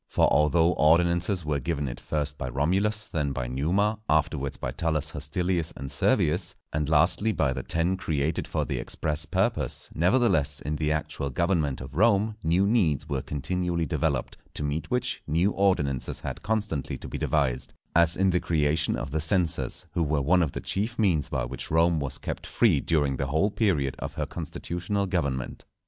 For although ordinances were given it first by Romulus, then by Numa, afterwards by Tullus Hostilius and Servius, and lastly by the Ten created for the express purpose, nevertheless, in the actual government of Rome new needs were continually developed, to meet which, new ordinances had constantly to be devised; as in the creation of the censors, who were one of the chief means by which Rome was kept free during the whole period of her constitutional government.